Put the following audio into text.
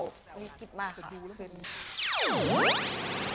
วิกฤษมากค่ะ